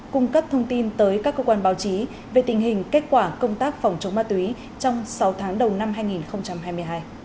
cung cấp thông tin tới các cơ quan báo chí về tình hình kết quả công tác phòng chống ma túy trong sáu tháng đầu năm hai nghìn hai mươi hai